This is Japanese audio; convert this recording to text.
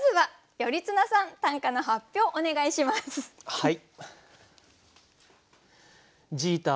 はい。